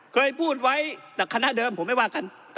เคยพูดไว้ในครรภ์เดิมผมไม่ว่ากันน่ะ